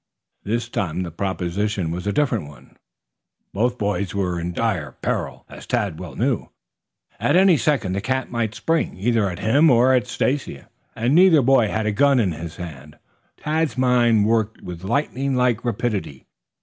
This time the proposition was a different one. Both boys were in dire peril, as Tad well knew. At any second the cat might spring, either at him or at Stacy. And neither boy had a gun in his hands. Tad's mind worked with lightning like rapidity.